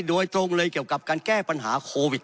โดยตรงเลยเกี่ยวกับการแก้ปัญหาโควิด